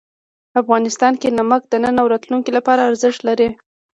افغانستان کې نمک د نن او راتلونکي لپاره ارزښت لري.